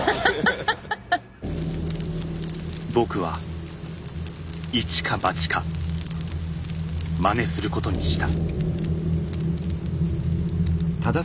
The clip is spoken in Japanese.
僕はいちかばちかまねすることにした。